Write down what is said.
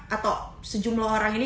atau sejumlah orang ini